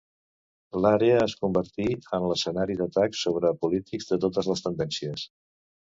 L'àrea es convertí en l'escenari d'atacs sobre polítics de totes les tendències.